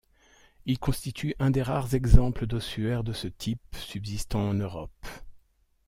Il constitue un des rares exemples d'ossuaire de ce type subsistant en Europe.